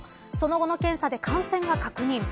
その後の検査で感染が確認。